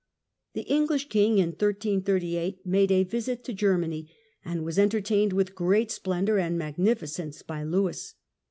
The Enghsh King in 1338 made a visit to Germany and was entertained with great splendour and magnificence by Lewis.